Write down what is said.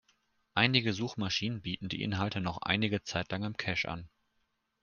Einige Suchmaschinen bieten die Inhalte noch einige Zeitlang im Cache an.